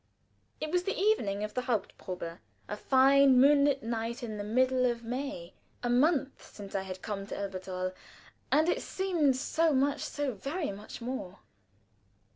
It was the evening of the haupt probe, a fine moonlight night in the middle of May a month since I had come to Elberthal, and it seemed so much, so very much more.